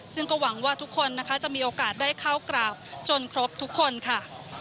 ซึ่งก็หวังว่าทุกคนนะคะจะมีโอกาสได้เข้ากราบจนครบทุกคนค่ะ